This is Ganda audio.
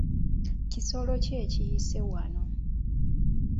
Kisolo ki ekiyise wano?